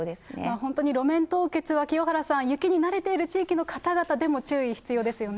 本当に路面凍結は清原さん、雪に慣れている地域の方々でも注意必要ですよね。